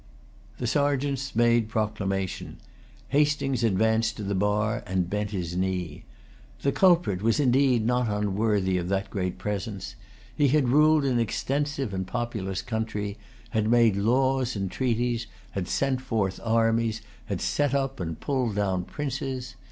The Sergeants made proclamation. Hastings advanced to the bar, and bent his knee. The culprit was indeed not unworthy of that great presence. He had ruled an extensive and populous country, had made laws and treaties,[Pg 225] had sent forth armies, had set up and pulled down princes.